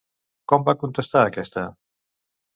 Com va contestar aquesta?